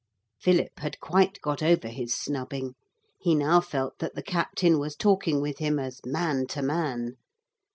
Philip had quite got over his snubbing. He now felt that the captain was talking with him as man to man.